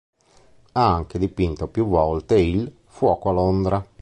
Ha anche dipinto, più volte il "Fuoco a Londra".